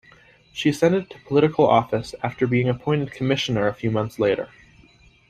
She ascended to political office after being appointed Commissioner a few months later.